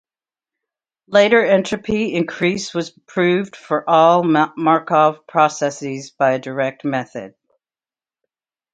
Later, entropy increase was proved for all Markov processes by a direct method.